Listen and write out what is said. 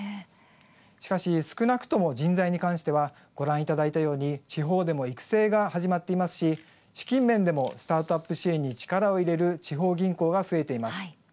しかし少なくとも人材に関してはご覧いただいたように地方でも育成が始まっていますし資金面でもスタートアップ支援に力を入れる地方銀行が増えています。